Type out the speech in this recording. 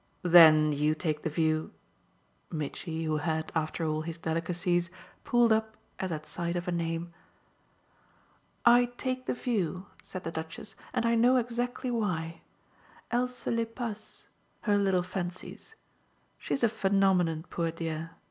"Then you take the view ?" Mitchy, who had, after all, his delicacies, pulled up as at sight of a name. "I take the view," said the Duchess, "and I know exactly why. Elle se les passe her little fancies! She's a phenomenon, poor dear.